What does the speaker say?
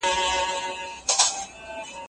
هغه په خپلې مسودي باندې کار پیل کړی و.